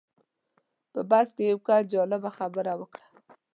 په بس کې یو کس جالبه خبره وکړه.